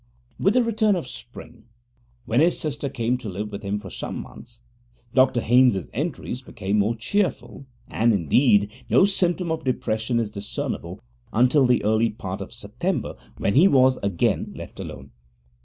With the return of spring, when his sister came to live with him for some months, Dr Haynes's entries become more cheerful, and, indeed, no symptom of depression is discernible until the early part of September, when he was again left alone.